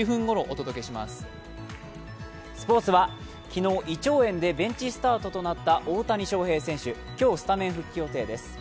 スポーツは、昨日、胃腸炎でベンチスタートとなった大谷翔平選手、今日スタメン復帰予定です。